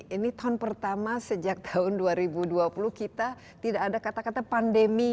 ini tahun pertama sejak tahun dua ribu dua puluh kita tidak ada kata kata pandemi